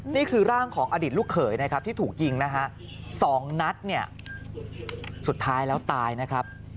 นี่คือร่างของอดีตลูกเขยนะครับที่ถูกยิงนะฮะสองนัดเนี่ยสุดท้ายแล้วตายนะครับ